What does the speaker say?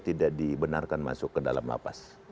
tidak dibenarkan masuk ke dalam lapas